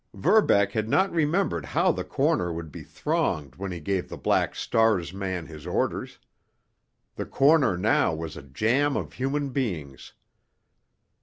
Verbeck had not remembered how the corner would be thronged when he gave the Black Star's man his orders. The corner now was a jam of human beings.